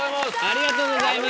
ありがとうございます！